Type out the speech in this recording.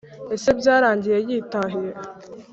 Ese byarangiye yitahiye